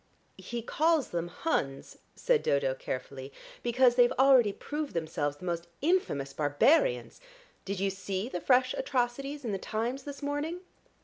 "He calls them Huns," said Dodo carefully, "because they've already proved themselves the most infamous barbarians. Did you see the fresh atrocities in the Times this morning?"